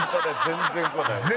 全然来ない。